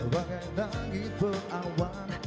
bagai nagi berawan